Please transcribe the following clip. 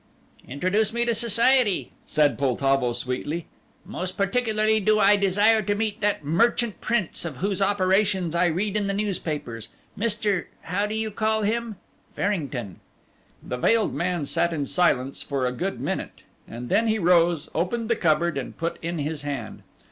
"Introduce me to society," said Poltavo sweetly "most particularly do I desire to meet that merchant prince of whose operations I read in the newspapers, Mr. how do you call him? Farrington." The veiled man sat in silence for a good minute, and then he rose, opened the cupboard and put in his hand.